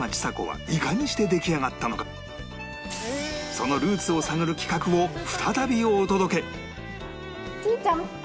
そのルーツを探る企画を再びお届け